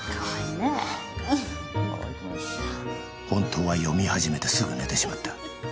本当は読み始めてすぐ寝てしまった